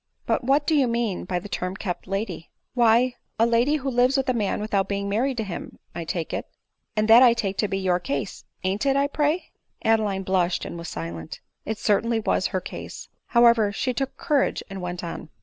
" But what do you mean by the term kept lady ?"" Why, a lady who lives with a man without being married to him, I take it ; and that I take to be your ► case, an't it, I pray ?" Adeline blushed and was silent ; it certainly was her case. However she took courage and went on.